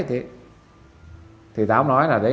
thì tám nói là